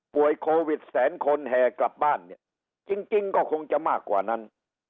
โควิดแสนคนแห่กลับบ้านเนี่ยจริงก็คงจะมากกว่านั้น